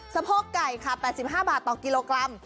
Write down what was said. สะโพกไก่ค่ะ๘๕บาทต่อกิโลกรัม